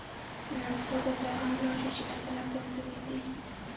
مزغو ته پېغام لاړ شي چې عضلات کمزوري دي